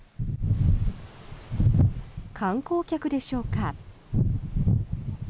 観光客でしょうか。